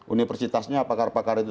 universitasnya pakar pakar itu